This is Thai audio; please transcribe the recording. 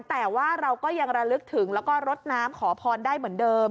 แต่ว่าเราก็ยังระลึกถึงแล้วก็รดน้ำขอพรได้เหมือนเดิม